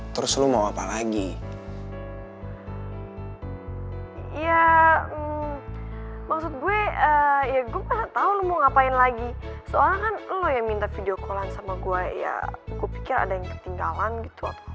terus lo mau apa lagi